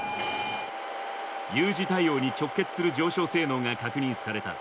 有事対応に直結する上昇性能が確認された。